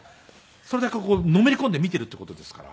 それだけのめり込んで見ているっていう事ですから。